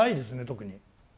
特に。